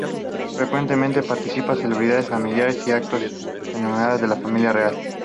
Frecuentemente participa en celebraciones familiares y actos y conmemoraciones de la familia real.